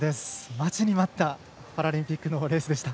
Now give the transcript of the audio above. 待ちに待ったパラリンピックのレースでした。